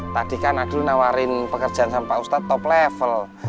tadi kan abdul nawarin pekerjaan sama ustadz top level